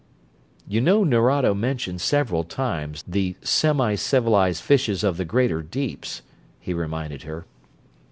"You know Nerado mentioned several times the 'semi civilized fishes of the greater deeps'?" he reminded her.